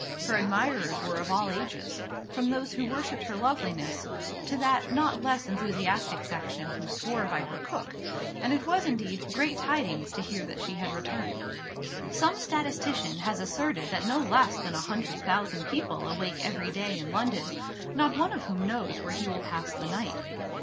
Her admirers were of all ages, from those who worshipped her loveliness to that not less enthusiastic section who swore by her cook; and it was indeed "great tidings" to hear that she had returned. Some statistician has asserted that no less than a hundred thousand people awake every day in London, not one of whom knows where he will pass the night.